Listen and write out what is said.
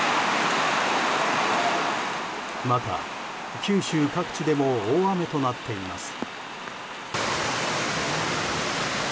また、九州各地でも大雨となっています。